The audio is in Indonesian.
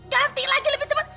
ganti lagi lebih cepet